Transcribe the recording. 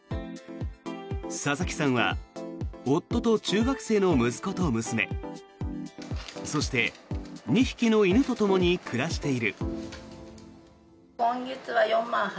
佐々木さんは夫と中学生の息子と娘そして２匹の犬とともに暮らしている。